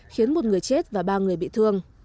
khiến một người chết và ba người bị thương